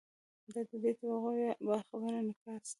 دا د دې طبقو باخبرۍ انعکاس دی.